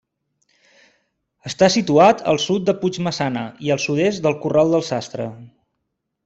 Està situat al sud de Puigmaçana i al sud-est del Corral del Sastre.